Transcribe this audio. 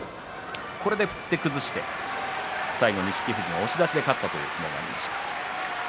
これで振って崩して最後、錦富士が押し出しで勝った相撲がありました。